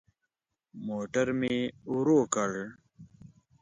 موټر مي ورو کړ .